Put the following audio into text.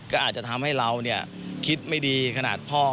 ก็อาจจะทำให้เราคิดไม่ดีขนาดพ่อ